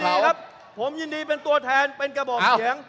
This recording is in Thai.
ผมยินดีครับผมยินดีเป็นตัวแทนเป็นกระบบเสียง